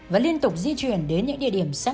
và liên tục di chuyển đến những địa điểm rất quan đoresc